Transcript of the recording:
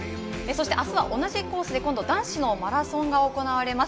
そして明日は同じコースで今度は男子のマラソンが行われます。